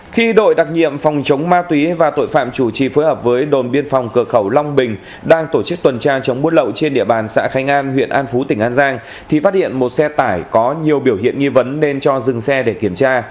khi đội đặc nhiệm phòng chống ma túy và tội phạm chủ trì phối hợp với đồn biên phòng cửa khẩu long bình đang tổ chức tuần tra chống bút lậu trên địa bàn xã khanh an huyện an phú tỉnh an giang thì phát hiện một xe tải có nhiều biểu hiện nghi vấn nên cho dừng xe để kiểm tra